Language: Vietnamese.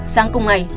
sáng công ngày